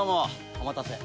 お待たせ。